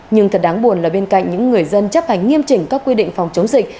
nhưng thật đáng buồn là bên cạnh những người dân chấp hành nghiêm chỉnh các quy định phòng chống dịch